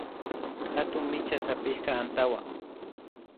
Hatun micha sapishka antawa